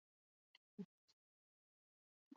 Ekaitzaren kalterik handienak Galizian jasan dira.